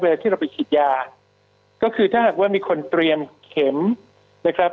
ที่เราไปฉีดยาก็คือถ้าหากว่ามีคนเตรียมเข็มนะครับ